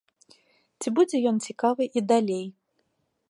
Ці будзе ён цікавы і далей?